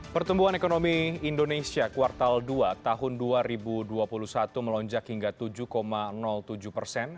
pertumbuhan ekonomi indonesia kuartal dua tahun dua ribu dua puluh satu melonjak hingga tujuh tujuh persen